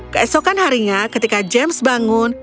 keesokan harinya ketika james bangun